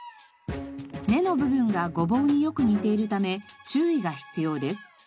根の部分がゴボウによく似ているため注意が必要です。